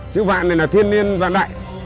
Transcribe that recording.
chữ vạn này là thiên niên văn đại